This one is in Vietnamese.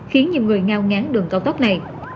khiến nhiều người ngao ngán đường cao tốc này